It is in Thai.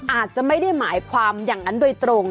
อาจจะไม่ได้หมายความอย่างนั้นโดยตรง